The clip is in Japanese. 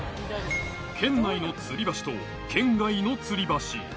圏内の吊り橋と圏外の吊り橋